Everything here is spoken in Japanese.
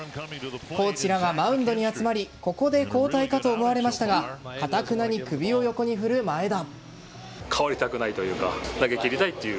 コーチらがマウンドに集まりここで交代かと思われましたがかたくなに首を横に振る前田。